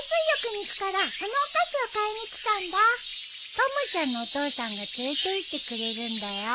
たまちゃんのお父さんが連れていってくれるんだよ。